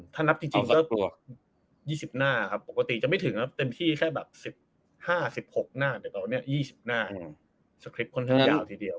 ถ้านับจริงก็๒๐หน้าครับปกติจะไม่ถึงนะเต็มที่แค่แบบ๑๕๑๖หน้าเดียวกันอันนี้๒๐หน้า